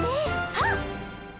はっ！